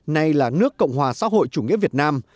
nay là nước cộng hòa xã hội chủ nghĩa việt nam